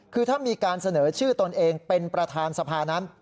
คือถ้ามีการเสนอชื่อตนเองเป็นประธานสภานั้น